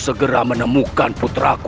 mereka melidah ke hewan fun conference